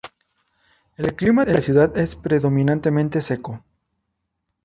El clima de la ciudad es predominantemente seco.